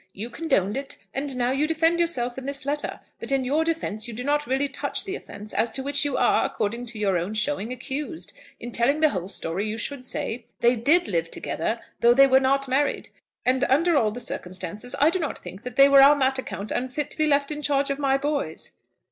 You condoned it, and now you defend yourself in this letter. But in your defence you do not really touch the offence as to which you are, according to your own showing, accused. In telling the whole story, you should say; 'They did live together though they were not married; and, under all the circumstances, I did not think that they were on that account unfit to be left in charge of my boys."'